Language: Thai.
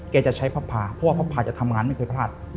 จะใช้พระพาเพราะว่าพระพาจะทำงานไม่เคยพลาด